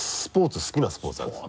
好きなスポーツあるんですか？